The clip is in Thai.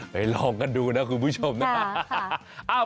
ลองกันดูนะคุณผู้ชมนะ